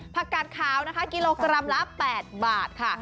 กาดขาวนะคะกิโลกรัมละ๘บาทค่ะ